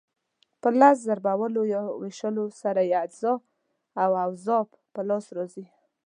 په لس ضربولو یا وېشلو سره یې اجزا او اضعاف په لاس راځي.